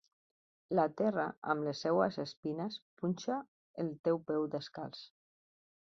La terra, amb les seues espines, punxa el teu peu descalç.